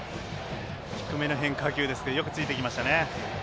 低めの変化球ですねよくついていきましたね。